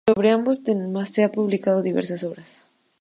Sobre ambos temas ha publicado diversas obras.